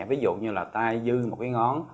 ví dụ như là tai dư một cái ngón